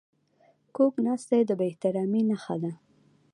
کوږ ناستی د بې احترامي نښه ده